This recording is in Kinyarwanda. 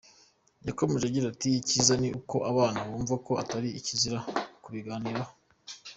Yakomeje agira ati “Icyiza ni uko abana bumva ko atari ikizira kubiganiraho.